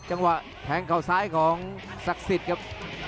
จังหวะแทงเขาซ้ายของศักดิ์สิทธิ์ครับ